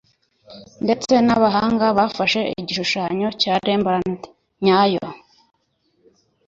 ndetse nabahanga bafashe igishushanyo cya rembrandt nyayo